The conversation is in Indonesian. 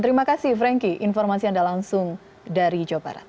terima kasih frankie informasi anda langsung dari jawa barat